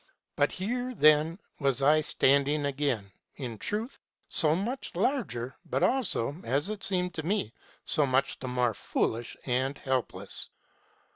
"Here, then, was I standing again, ŌĆö in truth, so much the larger, but also, as it seemed to me, so much the more stupid and helpless.